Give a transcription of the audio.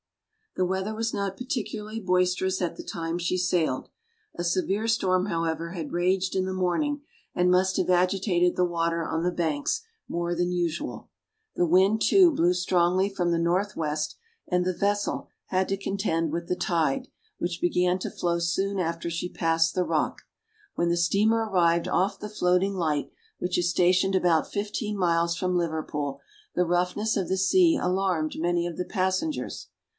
The weather was not particularly boisterous at the time she sailed. A severe storm however, had raged in the morning and must have agitated the water on the Banks more than usual. The wind too, blew strongly from the north west, and the vessel had to contend with the tide, which began to flow soon after she passed the rock. When the steamer arrived off the Floating light, which is stationed about fifteen miles from Liverpool, the roughness of the sea alarmed many of the passengers.